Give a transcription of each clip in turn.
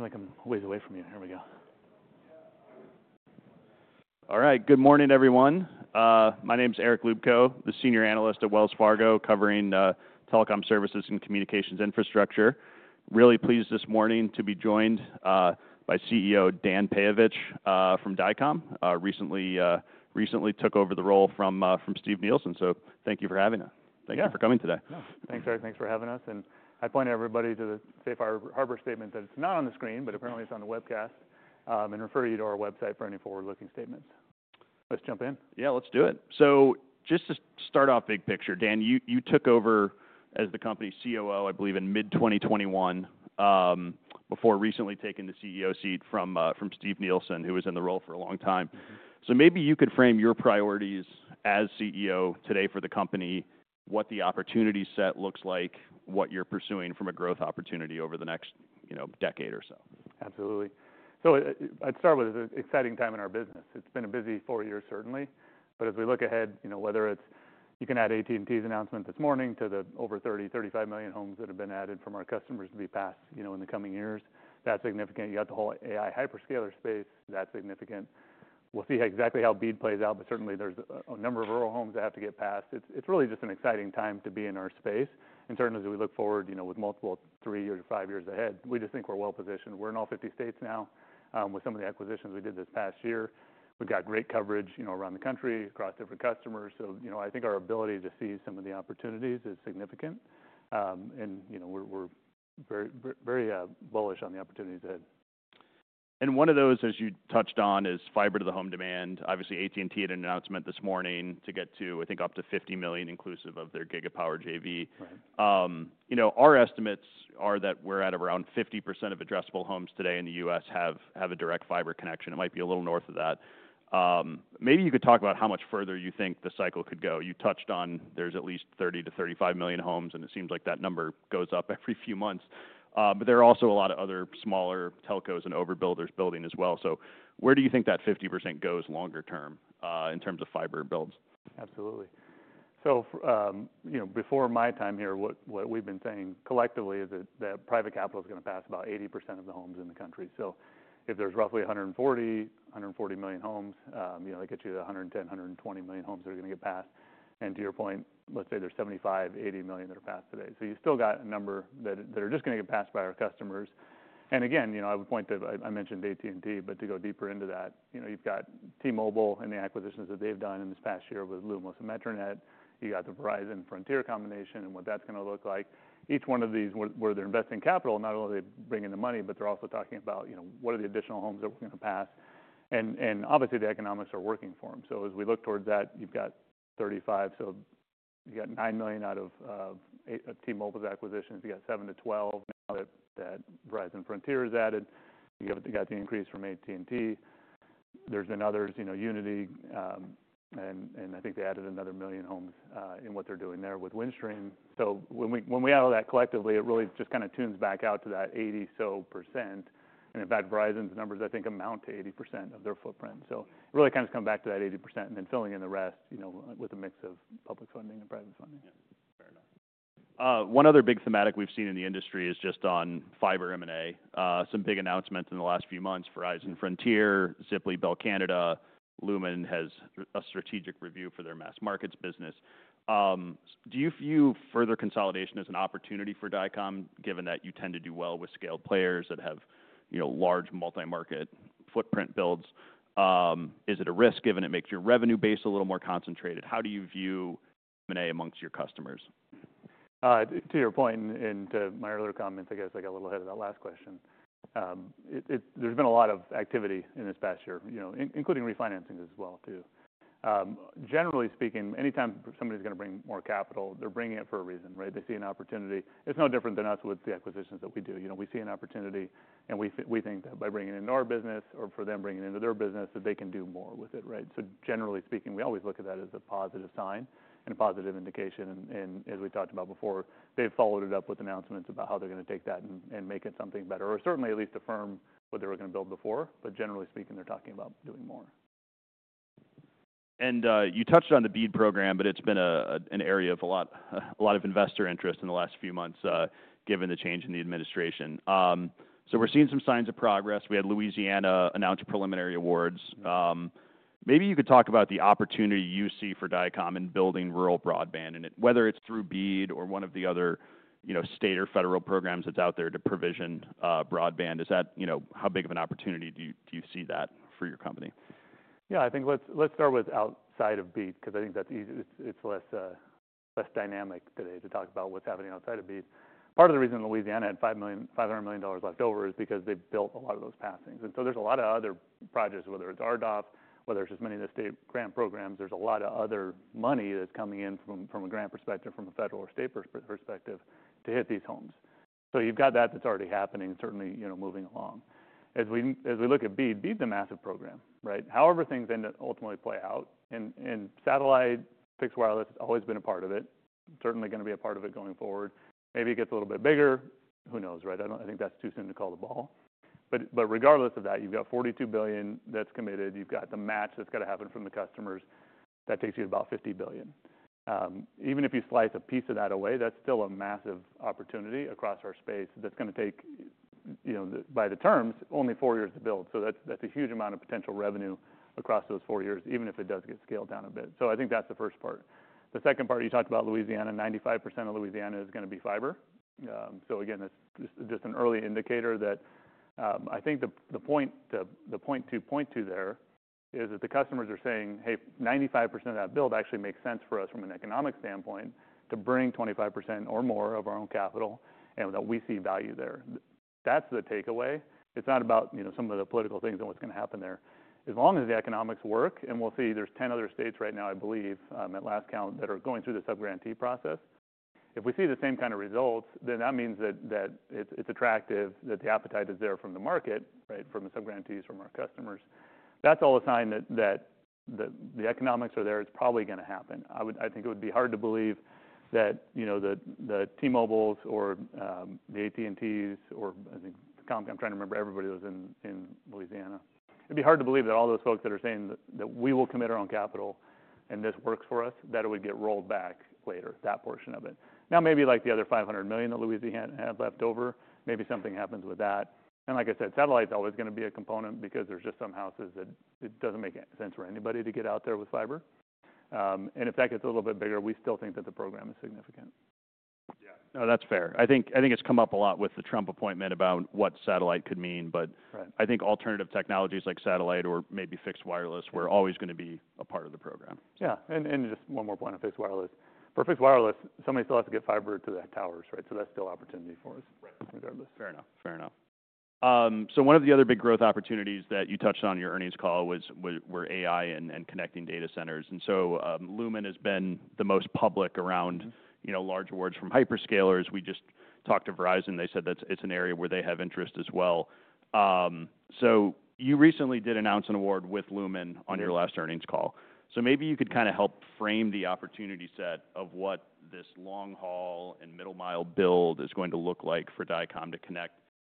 Feel like I'm always away from you. Here we go. All right. Good morning, everyone. My name's Eric Luebchow, the Senior Analyst at Wells Fargo covering telecom services and communications infrastructure. Really pleased this morning to be joined by CEO Dan Peyovich from Dycom. He recently took over the role from Steve Nielsen. So thank you for having us. Thank you for coming today. Yeah. Thanks, Eric. Thanks for having us. And I point everybody to the Safe Harbor statement that it's not on the screen, but apparently it's on the webcast, and refer you to our website for any forward-looking statements. Let's jump in. Yeah. Let's do it. So just to start off big picture, Dan, you took over as the company's COO, I believe, in mid-2021, before recently taking the CEO seat from Steve Nielsen, who was in the role for a long time. So maybe you could frame your priorities as CEO today for the company, what the opportunity set looks like, what you're pursuing from a growth opportunity over the next, you know, decade or so. Absolutely. So I'd start with it's an exciting time in our business. It's been a busy four years, certainly. But as we look ahead, you know, whether it's you can add AT&T's announcement this morning to the over 30-35 million homes that have been added from our customers to be passed, you know, in the coming years. That's significant. You got the whole AI hyperscaler space. That's significant. We'll see exactly how BEAD plays out, but certainly there's a number of rural homes that have to get passed. It's, it's really just an exciting time to be in our space. And certainly as we look forward, you know, with multiple three or five years ahead, we just think we're well-positioned. We're in all 50 states now, with some of the acquisitions we did this past year. We've got great coverage, you know, around the country, across different customers. So, you know, I think our ability to see some of the opportunities is significant. And, you know, we're very, very bullish on the opportunities ahead. And one of those, as you touched on, is fiber to the home demand. Obviously, AT&T had an announcement this morning to get to, I think, up to 50 million inclusive of their Gigapower JV. Right. You know, our estimates are that we're at around 50% of addressable homes today in the U.S. have a direct fiber connection. It might be a little north of that. Maybe you could talk about how much further you think the cycle could go. You touched on there's at least 30-35 million homes, and it seems like that number goes up every few months. But there are also a lot of other smaller telcos and overbuilders building as well. So where do you think that 50% goes longer term, in terms of fiber builds? Absolutely. So, you know, before my time here, what we've been saying collectively is that private capital's gonna pass about 80% of the homes in the country. So if there's roughly 140 million homes, you know, that gets you to 110, 120 million homes that are gonna get passed. And to your point, let's say there's 75, 80 million that are passed today. So you still got a number that are just gonna get passed by our customers. And again, you know, I would point to, I mentioned AT&T, but to go deeper into that, you know, you've got T-Mobile and the acquisitions that they've done in this past year with Lumos and Metronet. You got the Verizon Frontier combination and what that's gonna look like. Each one of these where they're investing capital, not only are they bringing the money, but they're also talking about, you know, what are the additional homes that we're gonna pass? And obviously the economics are working for them. So as we look towards that, you've got 35, so you got 9 million out of T-Mobile's acquisitions. You got 7 to 12 now that Verizon Frontier is added. You got the increase from AT&T. There's been others, you know, Uniti, and I think they added another million homes in what they're doing there with Windstream. So when we add all that collectively, it really just kinda tunes back out to that 80%. And in fact, Verizon's numbers, I think, amount to 80% of their footprint. So really kind of just come back to that 80% and then filling in the rest, you know, with a mix of public funding and private funding. Yeah. Fair enough. One other big thematic we've seen in the industry is just on fiber M&A. Some big announcements in the last few months: Verizon Frontier, Ziply, Bell Canada, Lumen has a strategic review for their mass markets business. Do you view further consolidation as an opportunity for Dycom, given that you tend to do well with scaled players that have, you know, large multi-market footprint builds? Is it a risk given it makes your revenue base a little more concentrated? How do you view M&A amongst your customers? To your point and to my earlier comments, I guess I got a little ahead of that last question. There's been a lot of activity in this past year, you know, including refinancing as well too. Generally speaking, anytime somebody's gonna bring more capital, they're bringing it for a reason, right? They see an opportunity. It's no different than us with the acquisitions that we do. You know, we see an opportunity and we think that by bringing it into our business or for them bringing it into their business, that they can do more with it, right? So generally speaking, we always look at that as a positive sign and a positive indication. And as we talked about before, they've followed it up with announcements about how they're gonna take that and make it something better. Or certainly at least affirm what they were gonna build before, but generally speaking, they're talking about doing more. You touched on the BEAD program, but it's been an area of a lot of investor interest in the last few months, given the change in the administration. So we're seeing some signs of progress. We had Louisiana announce preliminary awards. Maybe you could talk about the opportunity you see for Dycom in building rural broadband and whether it's through BEAD or one of the other, you know, state or federal programs that's out there to provision broadband. Is that, you know, how big of an opportunity do you see that for your company? Yeah. I think let's start with outside of BEAD, 'cause I think that's easy. It's less dynamic today to talk about what's happening outside of BEAD. Part of the reason Louisiana had five million, $500 million left over is because they've built a lot of those passings. And so there's a lot of other projects, whether it's RDoF, whether it's just many of the state grant programs, there's a lot of other money that's coming in from a grant perspective, from a federal or state perspective to hit these homes. So you've got that that's already happening, certainly, you know, moving along. As we look at BEAD, BEAD's a massive program, right? However things end up ultimately play out. And satellite fixed wireless has always been a part of it, certainly gonna be a part of it going forward. Maybe it gets a little bit bigger. Who knows, right? I don't, I think that's too soon to call the ball. But regardless of that, you've got $42 billion that's committed. You've got the match that's gotta happen from the customers. That takes you to about $50 billion. Even if you slice a piece of that away, that's still a massive opportunity across our space that's gonna take, you know, by the terms, only four years to build. So that's, that's a huge amount of potential revenue across those four years, even if it does get scaled down a bit. So I think that's the first part. The second part, you talked about Louisiana, 95% of Louisiana is gonna be fiber. So again, that's just an early indicator that, I think the point to point to there is that the customers are saying, "Hey, 95% of that build actually makes sense for us from an economic standpoint to bring 25% or more of our own capital and that we see value there." That's the takeaway. It's not about, you know, some of the political things and what's gonna happen there. As long as the economics work, and we'll see there's 10 other states right now, I believe, at last count that are going through the subgrantee process. If we see the same kind of results, then that means that it's attractive that the appetite is there from the market, right? From the subgrantees, from our customers. That's all a sign that the economics are there. It's probably gonna happen. I would, I think it would be hard to believe that, you know, the T-Mobiles or the AT&Ts or, I think, the Comcasts, I'm trying to remember everybody that was in Louisiana. It'd be hard to believe that all those folks that are saying that we will commit our own capital and this works for us, that it would get rolled back later, that portion of it. Now, maybe like the other $500 million that Louisiana has left over, maybe something happens with that. Like I said, satellite's always gonna be a component because there's just some houses that it doesn't make sense for anybody to get out there with fiber. And if that gets a little bit bigger, we still think that the program is significant. Yeah. No, that's fair. I think, I think it's come up a lot with the Trump appointment about what satellite could mean, but I think alternative technologies like satellite or maybe fixed wireless were always gonna be a part of the program. Yeah. And just one more point on fixed wireless. For fixed wireless, somebody still has to get fiber to the towers, right? So that's still an opportunity for us regardless. Fair enough. Fair enough. So one of the other big growth opportunities that you touched on your earnings call was, were AI and connecting data centers. So Lumen has been the most public around, you know, large awards from hyperscalers. We just talked to Verizon. They said that's, it's an area where they have interest as well. So you recently did announce an award with Lumen on your last earnings call. So maybe you could kind of help frame the opportunity set of what this long-haul and middle-mile build is going to look like for Dycom to connect,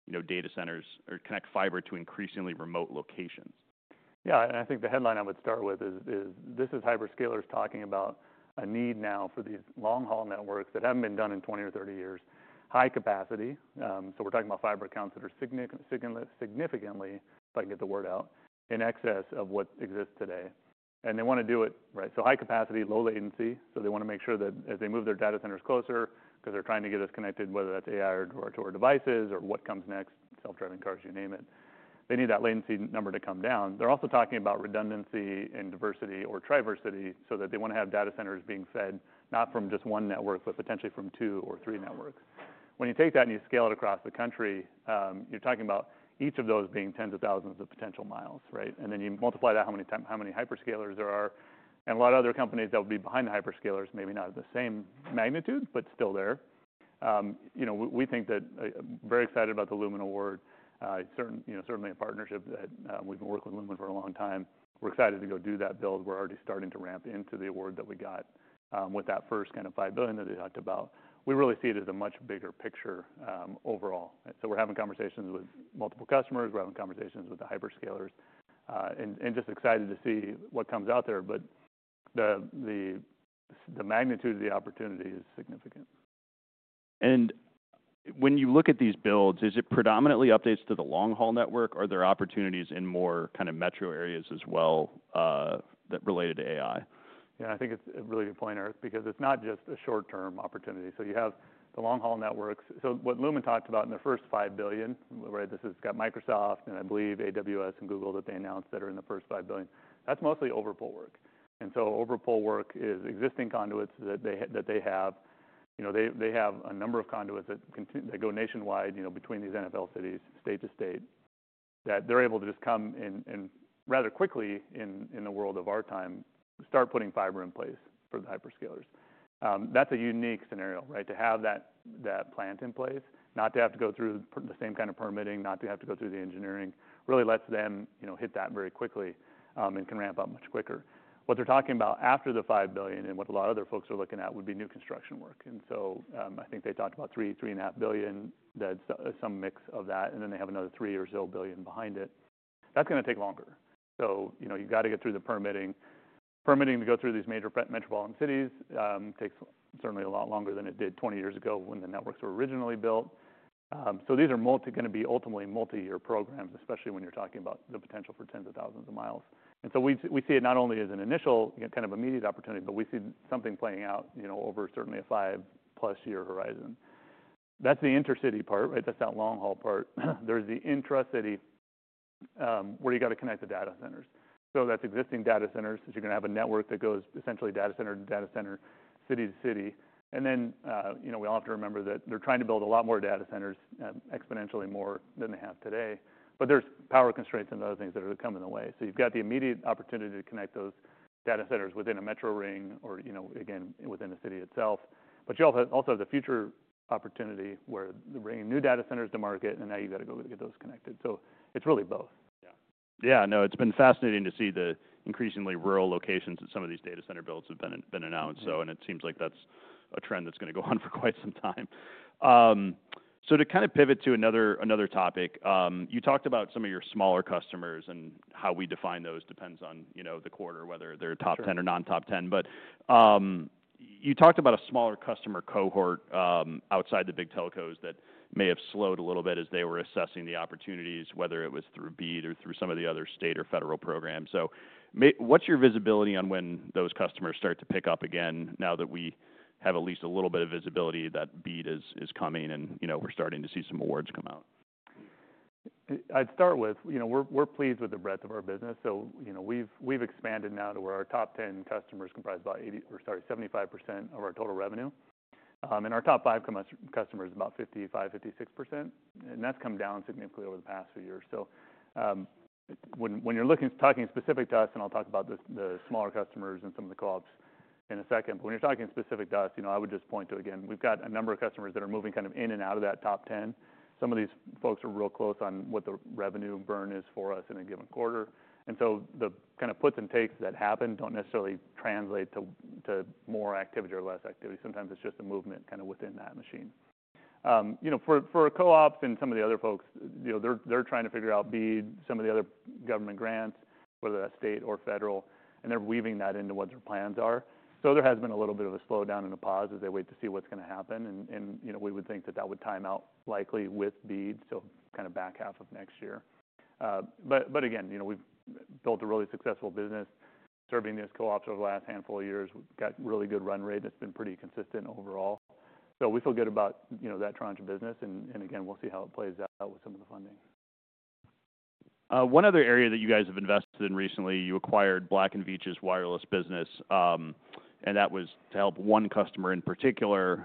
you know, data centers or connect fiber to increasingly remote locations. Yeah. And I think the headline I would start with is, is this is hyperscalers talking about a need now for these long-haul networks that haven't been done in 20 or 30 years, high capacity, so we're talking about fiber counts that are significantly, significantly, if I can get the word out, in excess of what exists today. And they wanna do it, right? So high capacity, low latency, so they wanna make sure that as they move their data centers closer, 'cause they're trying to get us connected, whether that's AI or, or to our devices or what comes next, self-driving cars, you name it, they need that latency number to come down. They're also talking about redundancy and diversity or triversity so that they wanna have data centers being fed not from just one network, but potentially from two or three networks. When you take that and you scale it across the country, you're talking about each of those being tens of thousands of potential miles, right? And then you multiply that, how many times, how many hyperscalers there are. And a lot of other companies that would be behind the hyperscalers, maybe not at the same magnitude, but still there. You know, we, we think that, very excited about the Lumen award, certain, you know, certainly a partnership that, we've been working with Lumen for a long time. We're excited to go do that build. We're already starting to ramp into the award that we got, with that first kind of $5 billion that they talked about. We really see it as a much bigger picture, overall. We're having conversations with multiple customers. We're having conversations with the hyperscalers, and just excited to see what comes out there. But the magnitude of the opportunity is significant. When you look at these builds, is it predominantly updates to the long-haul network? Are there opportunities in more kind of metro areas as well, that related to AI? Yeah. I think it's a really good point, Eric, because it's not just a short-term opportunity. So you have the long-haul networks. So what Lumen talked about in the first $5 billion, right? This has got Microsoft and I believe AWS and Google that they announced that are in the first $5 billion. That's mostly overpull work. And so overpull work is existing conduits that they have, you know, they have a number of conduits that continue that go nationwide, you know, between these NFL cities, state to state, that they're able to just come in rather quickly in the world of our time, start putting fiber in place for the hyperscalers. That's a unique scenario, right? To have that, that plant in place, not to have to go through the same kind of permitting, not to have to go through the engineering, really lets them, you know, hit that very quickly, and can ramp up much quicker. What they're talking about after the $5 billion and what a lot of other folks are looking at would be new construction work. I think they talked about $3-$3.5 billion, that's some mix of that. Then they have another $3 billion or so behind it. That's gonna take longer. You know, you gotta get through the permitting. Permitting to go through these major metropolitan cities takes certainly a lot longer than it did 20 years ago when the networks were originally built. These are gonna be ultimately multi-year programs, especially when you're talking about the potential for tens of thousands of miles. And so we see it not only as an initial, you know, kind of immediate opportunity, but we see something playing out, you know, over certainly a five-plus year horizon. That's the intercity part, right? That's that long-haul part. There's the intra-city, where you gotta connect the data centers. So that's existing data centers. So you're gonna have a network that goes essentially data center to data center, city to city. And then, you know, we all have to remember that they're trying to build a lot more data centers, exponentially more than they have today. But there's power constraints and other things that are to come in the way. So you've got the immediate opportunity to connect those data centers within a metro ring or, you know, again, within the city itself. But you also have the future opportunity where you bring new data centers to market, and now you gotta go get those connected. So it's really both. Yeah. Yeah. No, it's been fascinating to see the increasingly rural locations that some of these data center builds have been announced, and it seems like that's a trend that's gonna go on for quite some time, so to kind of pivot to another topic, you talked about some of your smaller customers and how we define those depends on, you know, the quarter, whether they're top 10 or non-top 10, but you talked about a smaller customer cohort, outside the big telcos that may have slowed a little bit as they were assessing the opportunities, whether it was through BEAD or through some of the other state or federal programs. So, what's your visibility on when those customers start to pick up again now that we have at least a little bit of visibility that BEAD is coming and, you know, we're starting to see some awards come out? I'd start with, you know, we're pleased with the breadth of our business, so you know, we've expanded now to where our top 10 customers comprise about 80 or sorry, 75% of our total revenue, and our top five customers is about 55-56%. That's come down significantly over the past few years, so when you're looking, talking specific to us, and I'll talk about the smaller customers and some of the co-ops in a second, but when you're talking specific to us, you know, I would just point to, again, we've got a number of customers that are moving kind of in and out of that top 10. Some of these folks are real close on what the revenue burn is for us in a given quarter. And so the kind of puts and takes that happen don't necessarily translate to more activity or less activity. Sometimes it's just a movement kind of within that machine. You know, for co-ops and some of the other folks, you know, they're trying to figure out BEAD, some of the other government grants, whether that's state or federal, and they're weaving that into what their plans are. So there has been a little bit of a slowdown and a pause as they wait to see what's gonna happen. And you know, we would think that that would time out likely with BEAD, so kind of back half of next year. But again, you know, we've built a really successful business serving these co-ops over the last handful of years. We've got really good run rate. It's been pretty consistent overall. We feel good about, you know, that tranche of business. And again, we'll see how it plays out with some of the funding. One other area that you guys have invested in recently, you acquired Black & Veatch's wireless business, and that was to help one customer in particular,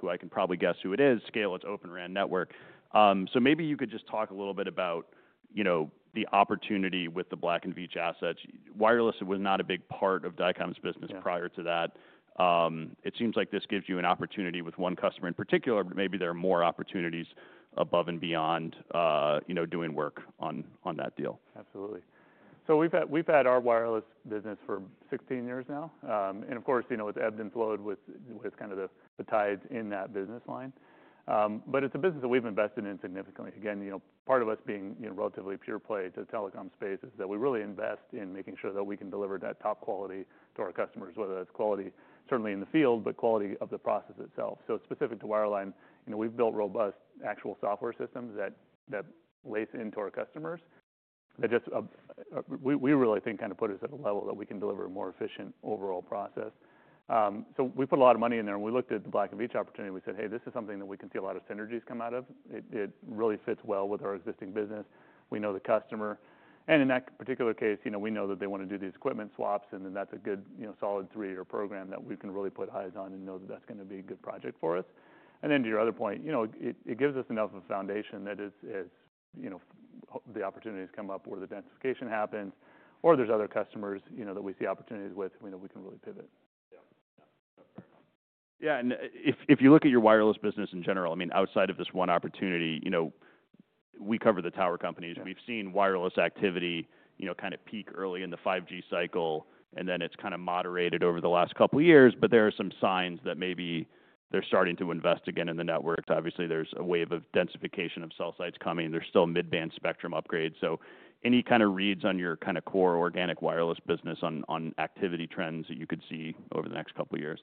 who I can probably guess who it is, scale its Open RAN network. So maybe you could just talk a little bit about, you know, the opportunity with the Black & Veatch assets. Wireless was not a big part of Dycom's business prior to that. It seems like this gives you an opportunity with one customer in particular, but maybe there are more opportunities above and beyond, you know, doing work on, on that deal. Absolutely, so we've had our wireless business for 16 years now, and of course, you know, it's ebbed and flowed with kind of the tides in that business line, but it's a business that we've invested in significantly. Again, you know, part of us being, you know, relatively pure play to the telecom space is that we really invest in making sure that we can deliver that top quality to our customers, whether that's quality certainly in the field, but quality of the process itself. So specific to wireline, you know, we've built robust actual software systems that lace into our customers that just we really think kind of put us at a level that we can deliver a more efficient overall process, so we put a lot of money in there, and we looked at the Black & Veatch opportunity. We said, "Hey, this is something that we can see a lot of synergies come out of. It really fits well with our existing business. We know the customer." And in that particular case, you know, we know that they wanna do these equipment swaps, and then that's a good, you know, solid three-year program that we can really put eyes on and know that that's gonna be a good project for us. And then to your other point, you know, it gives us enough of a foundation that is, you know, the opportunities come up where the densification happens or there's other customers, you know, that we see opportunities with, you know, we can really pivot. And if you look at your wireless business in general, I mean, outside of this one opportunity, you know, we cover the tower companies. We've seen wireless activity, you know, kind of peak early in the 5G cycle, and then it's kind of moderated over the last couple of years. But there are some signs that maybe they're starting to invest again in the network. Obviously, there's a wave of densification of cell sites coming. There's still mid-band spectrum upgrades. So any kind of reads on your kind of core organic wireless business on activity trends that you could see over the next couple of years?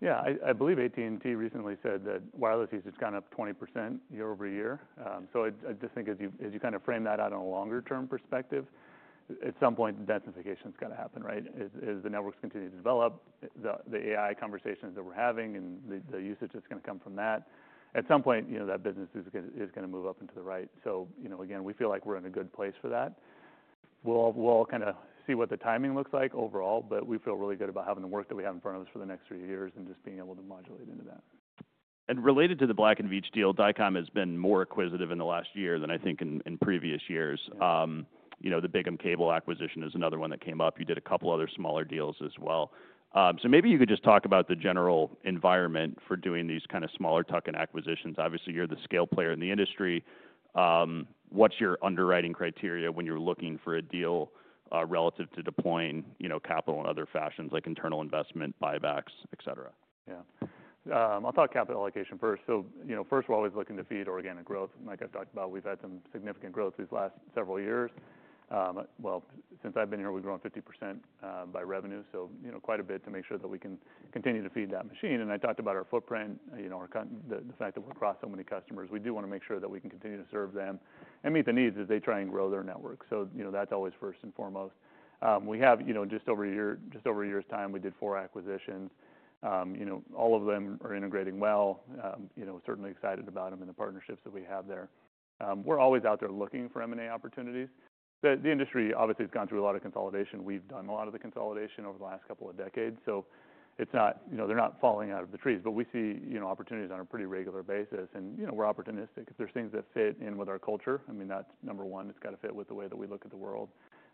Yeah. I believe AT&T recently said that wireless usage has gone up 20% year over year. So I just think as you kind of frame that out on a longer-term perspective, at some point, the densification's gotta happen, right? As the networks continue to develop, the AI conversations that we're having and the usage that's gonna come from that, at some point, you know, that business is gonna move up into the right. So, you know, again, we feel like we're in a good place for that. We'll kind of see what the timing looks like overall, but we feel really good about having the work that we have in front of us for the next three years and just being able to modulate into that. And related to the Black & Veatch deal, Dycom has been more acquisitive in the last year than I think in previous years. You know, the Bigham Cable acquisition is another one that came up. You did a couple other smaller deals as well. So maybe you could just talk about the general environment for doing these kind of smaller tuck-in acquisitions. Obviously, you're the scale player in the industry. What's your underwriting criteria when you're looking for a deal, relative to deploying, you know, capital in other fashions like internal investment, buybacks, et cetera? Yeah. I'll talk capital allocation first. So, you know, first of all, we're always looking to feed organic growth. And like I've talked about, we've had some significant growth these last several years, well, since I've been here, we've grown 50% by revenue. So, you know, quite a bit to make sure that we can continue to feed that machine. And I talked about our footprint, you know, the fact that we're across so many customers. We do wanna make sure that we can continue to serve them and meet the needs as they try and grow their network. So, you know, that's always first and foremost. We have, you know, just over a year, just over a year's time, we did four acquisitions. You know, all of them are integrating well. You know, we're certainly excited about 'em and the partnerships that we have there. We're always out there looking for M&A opportunities. The industry obviously has gone through a lot of consolidation. We've done a lot of the consolidation over the last couple of decades. So it's not, you know, they're not falling out of the trees, but we see, you know, opportunities on a pretty regular basis. And, you know, we're opportunistic. If there's things that fit in with our culture, I mean, that's number one. It's gotta fit with the way that we look at the world,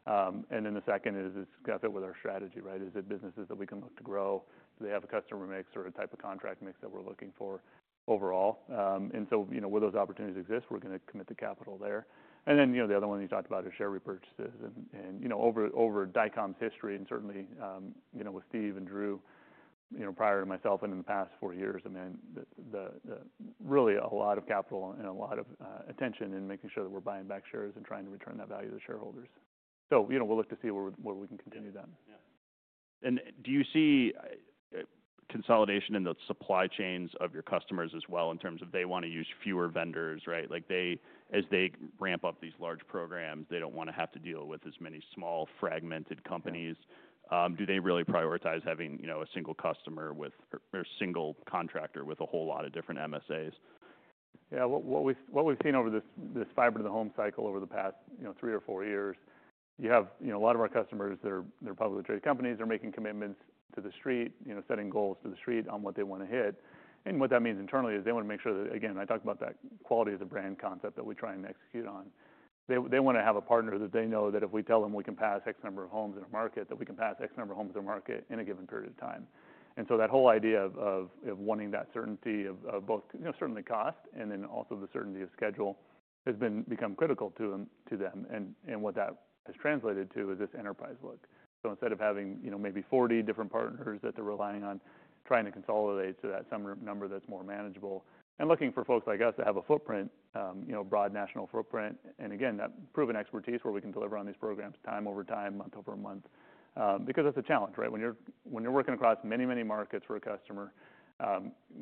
and then the second is, it's gotta fit with our strategy, right? Is it businesses that we can look to grow? Do they have a customer mix or a type of contract mix that we're looking for overall, and so, you know, where those opportunities exist, we're gonna commit the capital there. And then, you know, the other one you talked about is share repurchases. And you know, over Dycom's history and certainly, you know, with Steve and Drew, you know, prior to myself and in the past four years, I mean, the really a lot of capital and a lot of attention in making sure that we're buying back shares and trying to return that value to shareholders. So, you know, we'll look to see where we can continue that. Yeah. And do you see consolidation in the supply chains of your customers as well in terms of they wanna use fewer vendors, right? Like they, as they ramp up these large programs, they don't wanna have to deal with as many small fragmented companies. Do they really prioritize having, you know, a single customer with or, or single contractor with a whole lot of different MSAs? Yeah. What we've seen over this fiber to the home cycle over the past, you know, three or four years, you know, a lot of our customers that are publicly traded companies are making commitments to the street, you know, setting goals to the street on what they wanna hit. And what that means internally is they wanna make sure that, again, I talked about that quality as a brand concept that we try and execute on. They wanna have a partner that they know that if we tell them we can pass X number of homes in our market, that we can pass X number of homes in our market in a given period of time. And so that whole idea of wanting that certainty of both, you know, certainly cost and then also the certainty of schedule has become critical to them. And what that has translated to is this enterprise look. So instead of having, you know, maybe 40 different partners that they're relying on, trying to consolidate to that smaller number that's more manageable and looking for folks like us that have a footprint, you know, broad national footprint and again, that proven expertise where we can deliver on these programs time over time, month over month. Because that's a challenge, right? When you're working across many, many markets for a customer,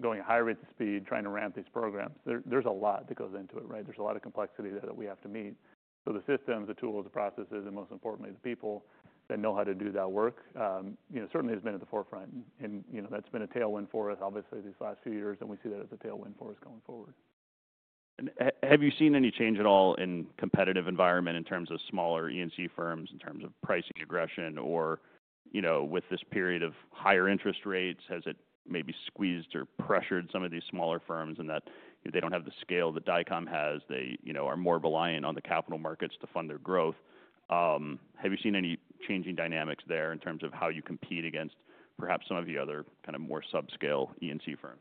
going at high rates of speed, trying to ramp these programs, there's a lot that goes into it, right? There's a lot of complexity there that we have to meet. So the systems, the tools, the processes, and most importantly, the people that know how to do that work, you know, certainly has been at the forefront. And, you know, that's been a tailwind for us, obviously, these last few years, and we see that as a tailwind for us going forward. Have you seen any change at all in competitive environment in terms of smaller EC firms, in terms of pricing aggression or, you know, with this period of higher interest rates, has it maybe squeezed or pressured some of these smaller firms in that, you know, they don't have the scale that Dycom has? They, you know, are more reliant on the capital markets to fund their growth. Have you seen any changing dynamics there in terms of how you compete against perhaps some of the other kind of more subscale ENC firms?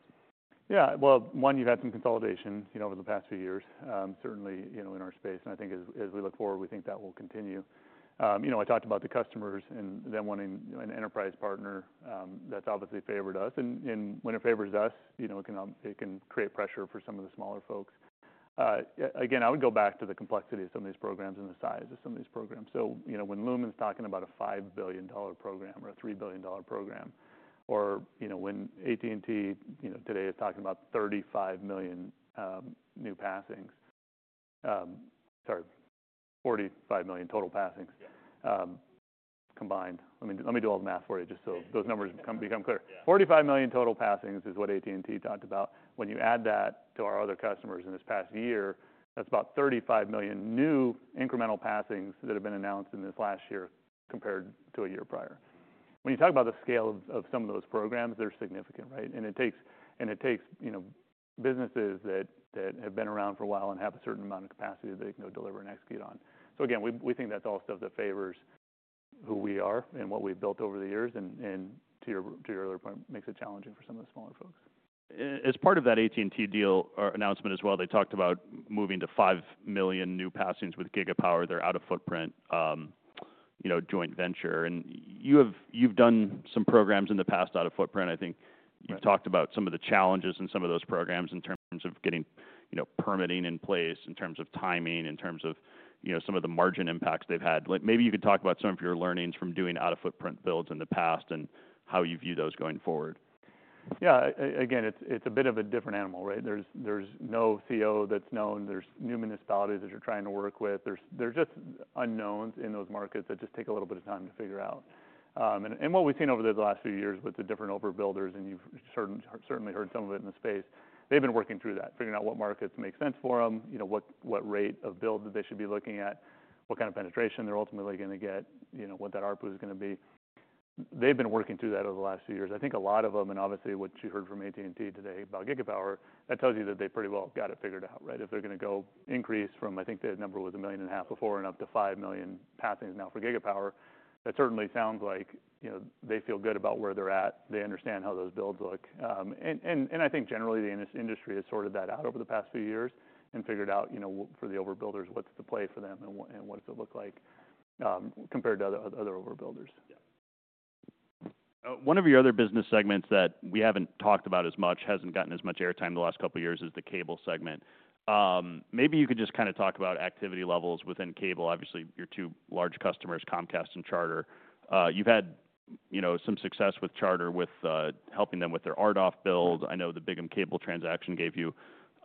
Yeah. Well, one, you've had some consolidation, you know, over the past few years, certainly, you know, in our space. And I think as we look forward, we think that will continue. You know, I talked about the customers and them wanting an enterprise partner. That's obviously favored us. And when it favors us, you know, it can create pressure for some of the smaller folks. Again, I would go back to the complexity of some of these programs and the size of some of these programs. So, you know, when Lumen's talking about a $5 billion program or a $3 billion program, or, you know, when AT&T, you know, today is talking about 35 million new passings, sorry, 45 million total passings, combined. Let me do all the math for you just so those numbers become clear. 45 million total passings is what AT&T talked about. When you add that to our other customers in this past year, that's about 35 million new incremental passings that have been announced in this last year compared to a year prior. When you talk about the scale of some of those programs, they're significant, right? And it takes, you know, businesses that have been around for a while and have a certain amount of capacity that they can go deliver and execute on. So again, we think that's all stuff that favors who we are and what we've built over the years. And to your other point, makes it challenging for some of the smaller folks. As part of that AT&T deal or announcement as well, they talked about moving to 5 million new passings with Gigapower, their out-of-footprint, you know, joint venture, and you have, you've done some programs in the past out-of-footprint. I think you've talked about some of the challenges in some of those programs in terms of getting, you know, permitting in place, in terms of timing, in terms of, you know, some of the margin impacts they've had. Like, maybe you could talk about some of your learnings from doing out-of-footprint builds in the past and how you view those going forward. Yeah. Again, it's a bit of a different animal, right? There's no CO that's known. There's new municipalities that you're trying to work with. There's just unknowns in those markets that just take a little bit of time to figure out. And what we've seen over the last few years with the different overbuilders, and you've certainly heard some of it in the space, they've been working through that, figuring out what markets make sense for 'em, you know, what rate of build that they should be looking at, what kind of penetration they're ultimately gonna get, you know, what that ARPU is gonna be. They've been working through that over the last few years. I think a lot of 'em, and obviously what you heard from AT&T today about Gigapower, that tells you that they pretty well got it figured out, right? If they're gonna go increase from, I think the number was 1.5 million before and up to 5 million passings now for Gigapower, that certainly sounds like, you know, they feel good about where they're at. They understand how those builds look. And I think generally the industry has sorted that out over the past few years and figured out, you know, for the overbuilders, what's the play for them and what does it look like, compared to other overbuilders. Yeah. One of your other business segments that we haven't talked about as much, hasn't gotten as much airtime the last couple of years is the cable segment. Maybe you could just kind of talk about activity levels within cable. Obviously, your two large customers, Comcast and Charter. You've had, you know, some success with Charter with helping them with their RDoF build. I know the Bigham Cable transaction gave you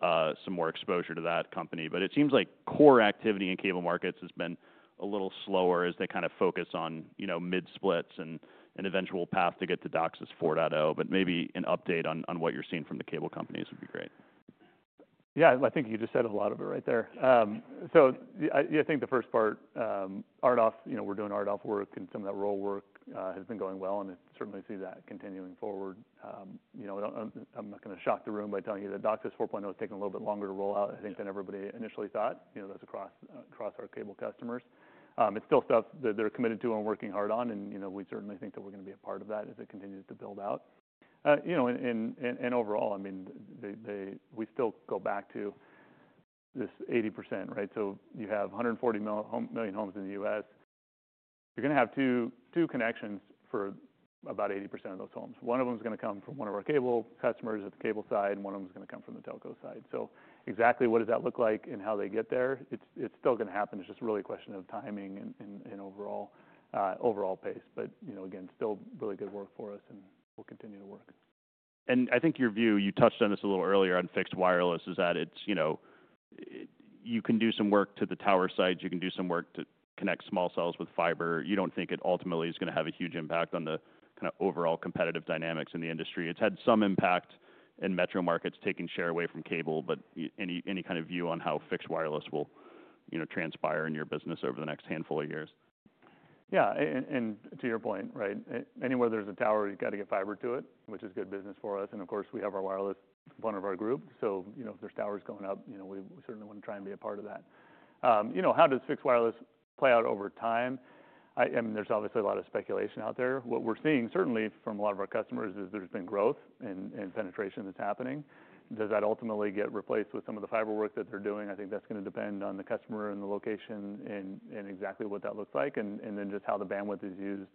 some more exposure to that company. But it seems like core activity in cable markets has been a little slower as they kind of focus on, you know, mid-splits and eventual path to get to DOCSIS 4.0. But maybe an update on what you're seeing from the cable companies would be great. Yeah. I think you just said a lot of it right there, so I think the first part, RDoF, you know, we're doing RDoF work and some of that roll work, has been going well. And I certainly see that continuing forward. You know, I don't, I'm not gonna shock the room by telling you that DOCSIS 4.0 has taken a little bit longer to roll out, I think, than everybody initially thought. You know, that's across our cable customers. It's still stuff that they're committed to and working hard on. And, you know, we certainly think that we're gonna be a part of that as it continues to build out. You know, and overall, I mean, they, we still go back to this 80%, right? So you have 140 million homes in the U.S. You're gonna have two connections for about 80% of those homes. One of 'em's gonna come from one of our cable customers at the cable side, and one of 'em's gonna come from the telco side. So exactly what does that look like and how they get there? It's still gonna happen. It's just really a question of timing and overall pace. But you know, again, still really good work for us, and we'll continue to work. I think your view, you touched on this a little earlier on fixed wireless, is that it's, you know, you can do some work to the tower sites. You can do some work to connect small cells with fiber. You don't think it ultimately is gonna have a huge impact on the kind of overall competitive dynamics in the industry. It's had some impact in metro markets taking share away from cable, but any, any kind of view on how fixed wireless will, you know, transpire in your business over the next handful of years? Yeah. And to your point, right? Anywhere there's a tower, you gotta get fiber to it, which is good business for us. And of course, we have our wireless component of our group. So, you know, if there's towers going up, you know, we certainly wanna try and be a part of that. You know, how does fixed wireless play out over time? I mean, there's obviously a lot of speculation out there. What we're seeing certainly from a lot of our customers is there's been growth and penetration that's happening. Does that ultimately get replaced with some of the fiber work that they're doing? I think that's gonna depend on the customer and the location and exactly what that looks like. And then just how the bandwidth is used.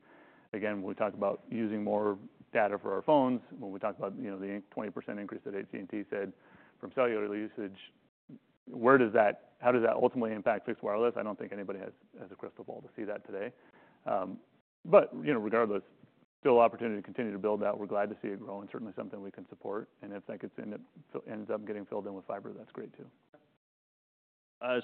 Again, when we talk about using more data for our phones, when we talk about, you know, the 20% increase that AT&T said from cellular usage, where does that, how does that ultimately impact fixed wireless? I don't think anybody has a crystal ball to see that today. But, you know, regardless, still opportunity to continue to build that. We're glad to see it grow and certainly something we can support. And if that gets in, it ends up getting filled in with fiber, that's great too.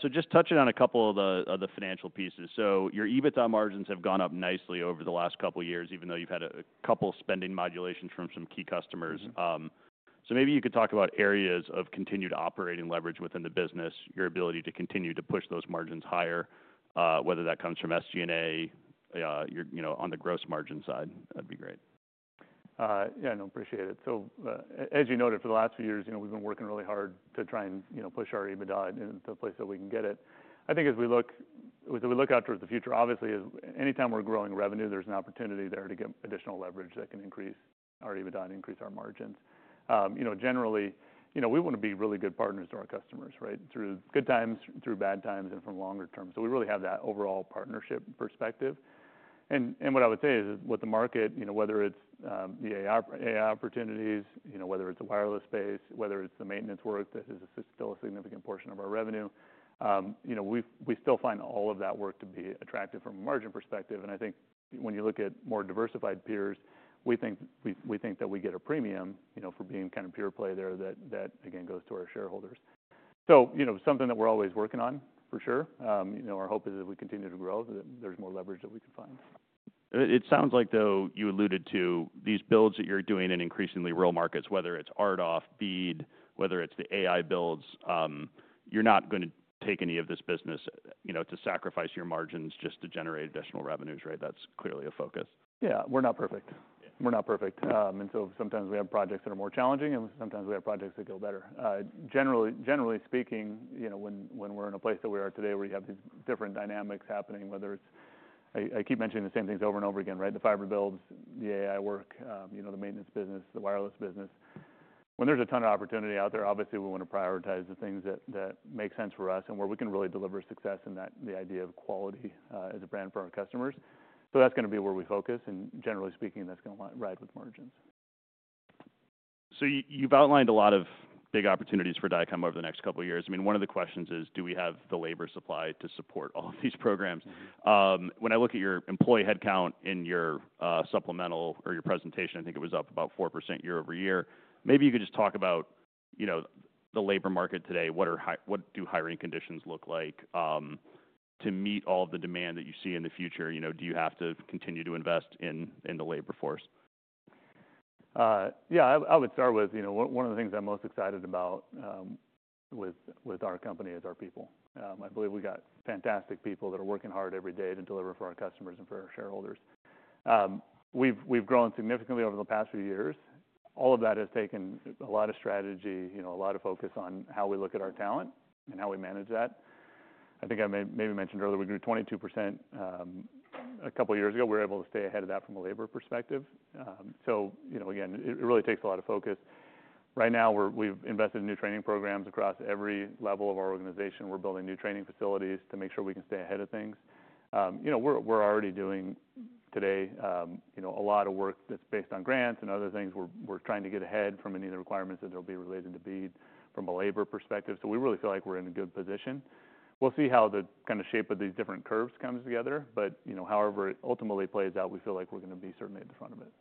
So just touching on a couple of the financial pieces. So your EBITDA margins have gone up nicely over the last couple of years, even though you've had a couple spending modulations from some key customers. So maybe you could talk about areas of continued operating leverage within the business, your ability to continue to push those margins higher, whether that comes from SG&A, your, you know, on the gross margin side. That'd be great. Yeah. No, appreciate it. So, as you noted, for the last few years, you know, we've been working really hard to try and, you know, push our EBITDA into the place that we can get it. I think as we look out towards the future, obviously, anytime we're growing revenue, there's an opportunity there to get additional leverage that can increase our EBITDA and increase our margins. You know, generally, you know, we wanna be really good partners to our customers, right? Through good times, through bad times, and from longer terms. We really have that overall partnership perspective. And what I would say is with the market, you know, whether it's the AI opportunities, you know, whether it's the wireless space, whether it's the maintenance work that is still a significant portion of our revenue, you know, we still find all of that work to be attractive from a margin perspective. I think when you look at more diversified peers, we think that we get a premium, you know, for being kind of pure play there that again goes to our shareholders. You know, something that we're always working on for sure. You know, our hope is if we continue to grow that there's more leverage that we can find. It sounds like though, you alluded to these builds that you're doing in increasingly rural markets, whether it's RDoF, BEAD, whether it's the AI builds, you're not gonna take any of this business, you know, to sacrifice your margins just to generate additional revenues, right? That's clearly a focus. Yeah. We're not perfect. We're not perfect, and so sometimes we have projects that are more challenging, and sometimes we have projects that go better. Generally, generally speaking, you know, when, when we're in a place that we are today where you have these different dynamics happening, whether it's, I, I keep mentioning the same things over and over again, right? The fiber builds, the AI work, you know, the maintenance business, the wireless business. When there's a ton of opportunity out there, obviously we wanna prioritize the things that, that make sense for us and where we can really deliver success and that the idea of quality, as a brand for our customers. So that's gonna be where we focus. And generally speaking, that's gonna ride with margins. So you've outlined a lot of big opportunities for Dycom over the next couple of years. I mean, one of the questions is, do we have the labor supply to support all of these programs? When I look at your employee headcount in your, supplemental or your presentation, I think it was up about 4% year over year. Maybe you could just talk about, you know, the labor market today. What do hiring conditions look like, to meet all of the demand that you see in the future? You know, do you have to continue to invest in the labor force? Yeah, I would start with, you know, one of the things I'm most excited about with our company is our people. I believe we got fantastic people that are working hard every day to deliver for our customers and for our shareholders. We've grown significantly over the past few years. All of that has taken a lot of strategy, you know, a lot of focus on how we look at our talent and how we manage that. I think I maybe mentioned earlier, we grew 22% a couple of years ago. We were able to stay ahead of that from a labor perspective, so you know, again, it really takes a lot of focus. Right now, we've invested in new training programs across every level of our organization. We're building new training facilities to make sure we can stay ahead of things. You know, we're already doing today, you know, a lot of work that's based on grants and other things. We're trying to get ahead from any of the requirements that'll be related to BEAD from a labor perspective. So we really feel like we're in a good position. We'll see how the kind of shape of these different curves comes together. But, you know, however it ultimately plays out, we feel like we're gonna be certainly at the front of it.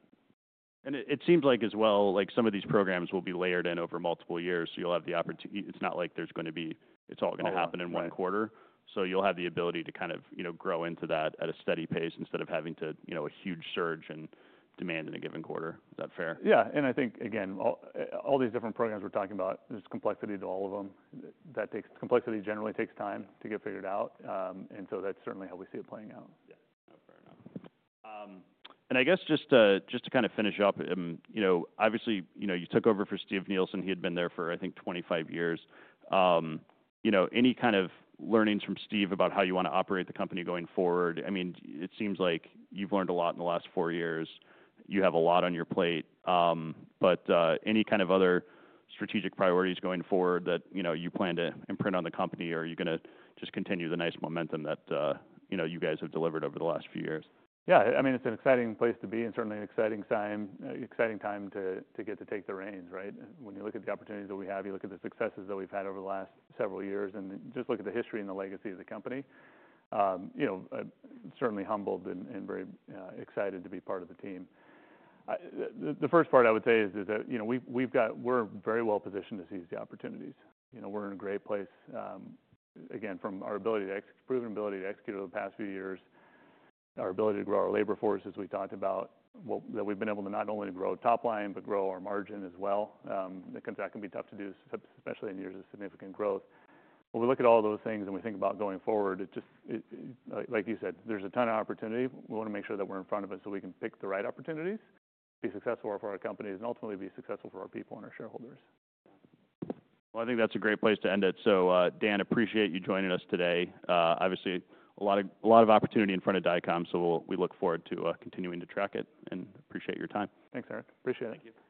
It seems like as well, like some of these programs will be layered in over multiple years. So you'll have the opportunity. It's not like there's gonna be, it's all gonna happen in one quarter. So you'll have the ability to kind of, you know, grow into that at a steady pace instead of having to, you know, a huge surge in demand in a given quarter. Is that fair? Yeah, and I think, again, all, all these different programs we're talking about, there's complexity to all of 'em. That complexity generally takes time to get figured out, and so that's certainly how we see it playing out. Yeah. No, fair enough, and I guess just to, just to kind of finish up, you know, obviously, you know, you took over for Steve Nielsen. He had been there for, I think, 25 years. You know, any kind of learnings from Steve about how you wanna operate the company going forward? I mean, it seems like you've learned a lot in the last four years. You have a lot on your plate, but any kind of other strategic priorities going forward that, you know, you plan to imprint on the company, or are you gonna just continue the nice momentum that, you know, you guys have delivered over the last few years? Yeah. I mean, it's an exciting place to be and certainly an exciting time to get to take the reins, right? When you look at the opportunities that we have, you look at the successes that we've had over the last several years and just look at the history and the legacy of the company. You know, certainly humbled and very excited to be part of the team. The first part I would say is that, you know, we've got, we're very well positioned to seize the opportunities. You know, we're in a great place. Again, from our proven ability to execute over the past few years, our ability to grow our labor forces, we talked about what that we've been able to not only grow top line, but grow our margin as well. That can be tough to do, especially in years of significant growth. When we look at all those things and we think about going forward, it just, like you said, there's a ton of opportunity. We wanna make sure that we're in front of it so we can pick the right opportunities, be successful for our companies, and ultimately be successful for our people and our shareholders. I think that's a great place to end it. Dan, appreciate you joining us today. Obviously a lot of, a lot of opportunity in front of Dycom, so we'll look forward to continuing to track it and appreciate your time. Thanks, Eric. Appreciate it. Thank you.